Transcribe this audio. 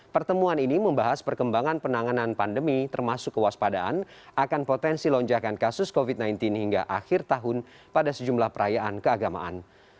pertemuan ini membahas perkembangan penanganan pandemi termasuk kewaspadaan akan potensi lonjakan kasus covid sembilan belas hingga akhir tahun pada sejumlah perayaan keagamaan